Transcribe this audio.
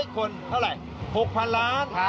คนเท่าไหร่๖๐๐๐ล้าน